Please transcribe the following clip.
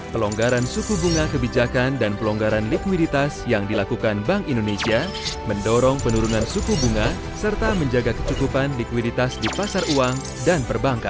pelonggaran suku bunga kebijakan dan pelonggaran likuiditas yang dilakukan bank indonesia mendorong penurunan suku bunga serta menjaga kecukupan likuiditas di pasar uang dan perbankan